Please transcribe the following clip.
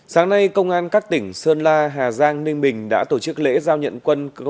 sáng nay công an các tỉnh sơn la hà giang ninh bình đã tổ chức lễ giao nhận quân